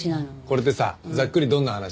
これってさざっくりどんな話？